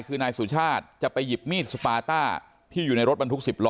คือนายสุชาติจะไปหยิบมีดสปาต้าที่อยู่ในรถบรรทุก๑๐ล้อ